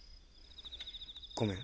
ごめん。